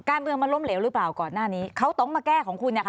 การเมืองมันล้มเหลวหรือเปล่าก่อนหน้านี้เขาต้องมาแก้ของคุณนะคะ